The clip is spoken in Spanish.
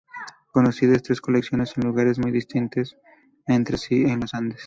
Conocidas tres colecciones en lugares muy distantes entre sí en los Andes.